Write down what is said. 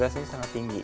durasinya sangat tinggi